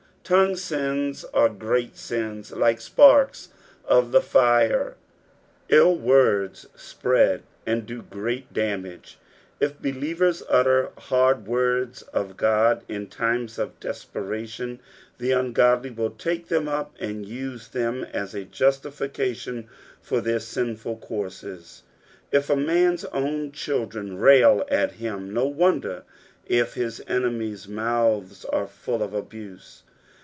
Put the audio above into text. Tongue sins are great sins ; like sparks of fln ill words spread, end do great damage. If believers utter hard words of God is times of depression, the ungodly will take them up and use them as a juBtificalioB for their sinful courses. If a msn's own children rail at him, no wonder if hii enemies' mouths are full at abuse.